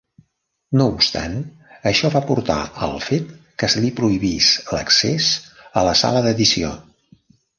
No obstant, això va portar al fet que se li prohibís l'accés a la sala d'edició.